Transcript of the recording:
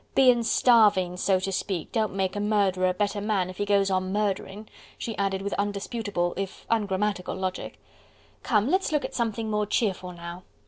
Bein' starving so to speak, don't make a murderer a better man if he goes on murdering," she added with undisputable if ungrammatical logic. "Come, let's look at something more cheerful now."